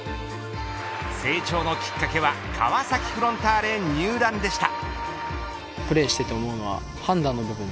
成長のきっかけは川崎フロンターレ入団でした。